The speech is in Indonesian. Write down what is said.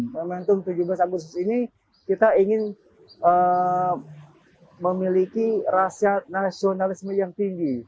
momentum tujuh belas agustus ini kita ingin memiliki rasiat nasionalisme yang tinggi